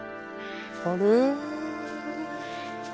あれ？